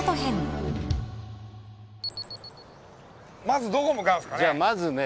まずどこ向かいますかね？